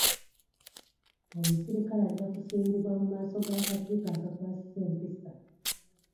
Omuserikale ajja kusimbibwa mu maaso g'akakiiko akakwasisa empisa.